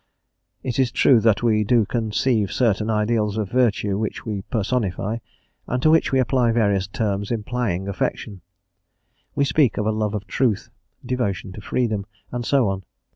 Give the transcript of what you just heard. It is true that we do conceive certain ideals of virtue which we personify, and to which we apply various terms implying affection; we speak of a love of Truth, devotion to Freedom, and so on.